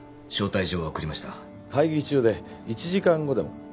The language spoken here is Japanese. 招待状は送りました会議中で１時間後でも？